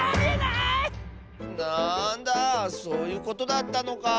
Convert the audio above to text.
なんだそういうことだったのか。